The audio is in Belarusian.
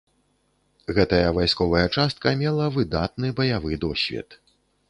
Гэтая вайсковая частка мела выдатны баявы досвед.